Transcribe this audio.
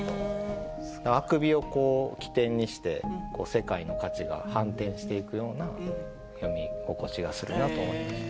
あくびを起点にして世界の価値が反転していくような読み心地がするなと思って。